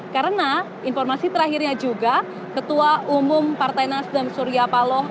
karena informasi terakhirnya juga ketua umum partai nasdam surya paloh